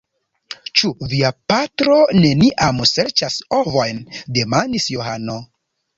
Ĉu via patro neniam serĉas ovojn? demandis Johano.